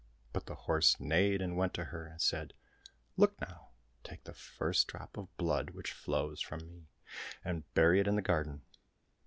" But the horse neighed and went to her, and said, " Look now ! take the first drop of blood which flows from me, and bury it in the garden."